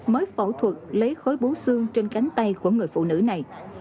mới phẫu thuật lấy khối bú xương trên cánh tay của người phụ nữ này